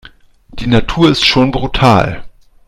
Die Natur ist schon brutal.